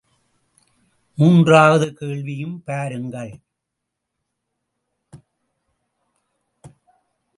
மூன்றாவது கேள்வியும் பாருங்கள்!